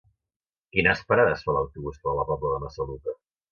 Quines parades fa l'autobús que va a la Pobla de Massaluca?